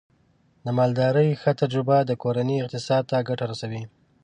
د مالدارۍ ښه تجربه د کورنۍ اقتصاد ته ګټه رسوي.